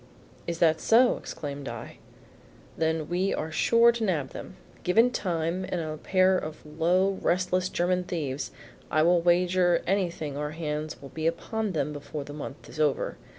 "Is that so?" exclaimed I. "Then we are sure to nab them. Given time and a pair of low, restless German thieves, I will wager anything, our hands will be upon them before the month is over.